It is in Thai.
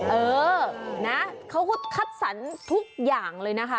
เออนะเขาก็คัดสรรทุกอย่างเลยนะคะ